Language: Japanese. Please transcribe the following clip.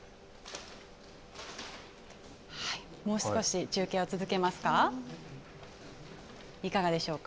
もう少し中継を続けますか。